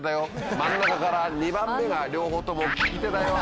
真ん中から２番目が両方とも利き手だよ。